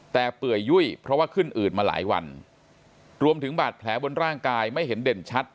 แต่เปื่อยยุ่ยเพราะว่าขึ้นอืดมาหลายวันรวมถึงบาดแผลบนร่างกายไม่เห็นเด่นชัด